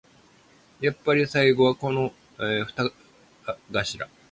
やっぱり最後はこのニ頭